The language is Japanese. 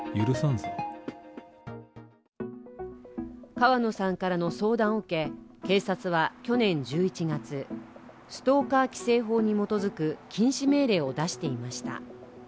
川野さんからの相談を受け警察は去年１１月、ストーカー規制法に基づく禁止命令を出していました。